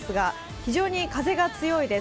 非常に風が強いです。